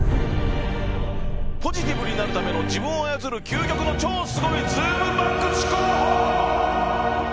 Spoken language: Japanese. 「ポジティブになるための自分を操る究極の超スゴいズームバック思考法」！